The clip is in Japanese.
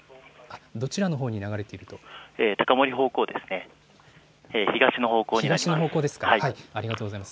どちらのほうに流れていますか。